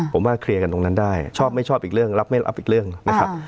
ผมว่าเคลียร์กันตรงนั้นได้ชอบไม่ชอบอีกเรื่องรับไม่รับอีกเรื่องนะครับ